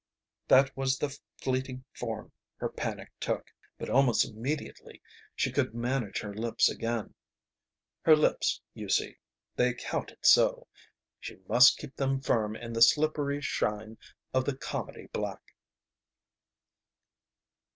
That was the fleeting form her panic took, but almost immediately she could manage her lips again. Her lips, you see, they counted so! She must keep them firm in the slippery shine of the comedy black.